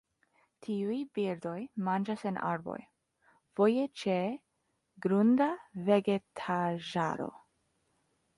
Tiuj birdoj manĝas en arboj, foje ĉe grunda vegetaĵaro.